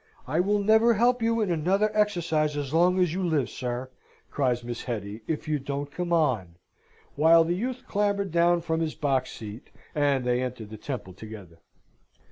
"I will never help you in another exercise as long as you live, sir," cries Miss Hetty, "if you don't come on," while the youth clambered down from his box seat, and they entered the temple together.